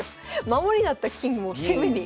守りだった金も攻めに。